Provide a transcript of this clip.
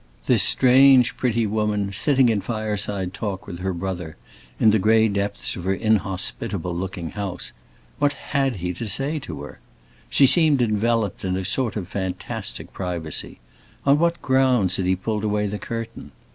This strange, pretty woman, sitting in fire side talk with her brother, in the gray depths of her inhospitable looking house—what had he to say to her? She seemed enveloped in a sort of fantastic privacy; on what grounds had he pulled away the curtain?